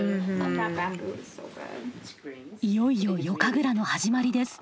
いよいよ夜神楽の始まりです。